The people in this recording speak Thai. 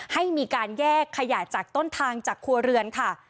ให้มีการแยกขยะจากต้นทางจากครัวเรือนค่ะ